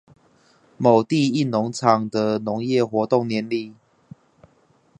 某地一農場的農業活動年曆